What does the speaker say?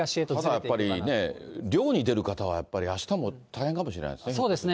やっぱりね、漁に出る方はね、やっぱりあしたも大変かもしれないですね。